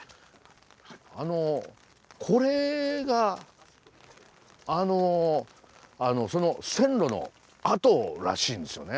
あのこれがあのその線路の跡らしいんですよね。